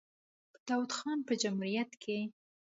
په داوود خان په جمهوریت کې.